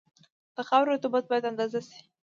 د خاورې رطوبت باید اندازه شي